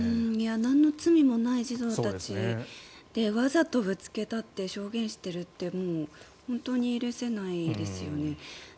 なんの罪もない児童たちでわざとぶつけたって証言しているって本当に許せないですよね。